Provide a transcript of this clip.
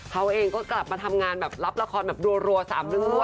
เขาเองก็กลับมาทำงานแบบรับละครแบบรัว๓เรื่องรั่